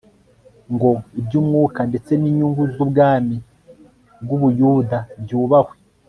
ngo iby'umwuka ndetse n'inyungu z'ubwami bw'ubuyuda byubakwe